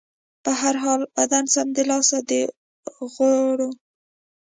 په هر حال، بدن سمدلاسه د غوړو